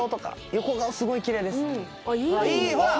横顔すごいきれいです。